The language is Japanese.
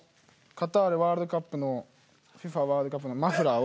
カタールワールドカップのＦＩＦＡワールドカップのマフラーを。